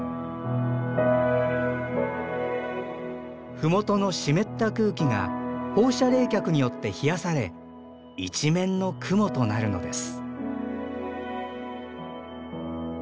麓の湿った空気が放射冷却によって冷やされ一面の雲となるのです。